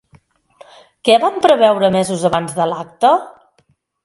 Què van preveure mesos abans de l'acte?